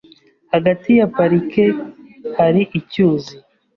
Hagati ya parike hari icyuzi .